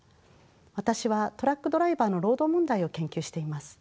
私はトラックドライバーの労働問題を研究しています。